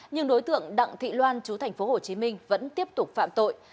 nhưng đối tượng đặng thị loan chú thành phố hồ chí minh vẫn tiếp tục phạm tội